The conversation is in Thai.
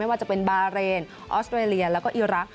ว่าจะเป็นบาเรนออสเตรเลียแล้วก็อีรักษ